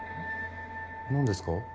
何ですか？